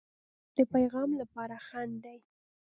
د پیغام لپاره خنډ دی.